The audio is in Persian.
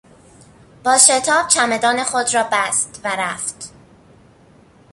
با شتاب چمدان خود را بست و رفت.